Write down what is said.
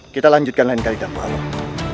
kita lanjutkan lain kali dampu awang